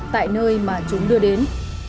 tại nơi mà chúng đưa đến